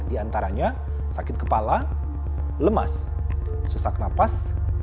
di antaranya sakit kepala lemas sesak nafas